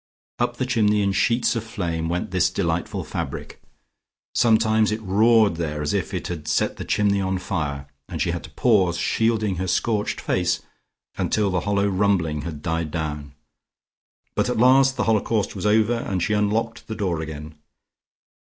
Up the chimney in sheets of flame went this delightful fabric; sometimes it roared there, as if it had set the chimney on fire, and she had to pause, shielding her scorched face, until the hollow rumbling had died down. But at last the holocaust was over, and she unlocked the door again.